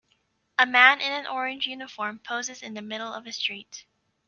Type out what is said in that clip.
A man in an orange uniform poses in the middle of a street.